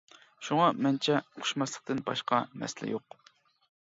شۇڭا مەنچە ئۇقۇشماسلىقتىن باشقا مەسىلە يوق.